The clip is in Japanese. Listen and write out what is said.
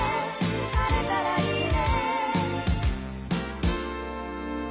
「晴れたらいいね」